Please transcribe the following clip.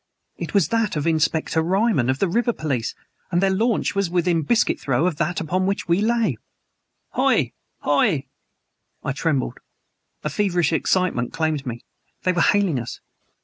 It was that of Inspector Ryman of the river police and their launch was within biscuit throw of that upon which we lay! "'Hoy! 'Hoy!" I trembled. A feverish excitement claimed me. They were hailing us.